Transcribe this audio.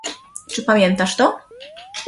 "Czy pamiętasz to?"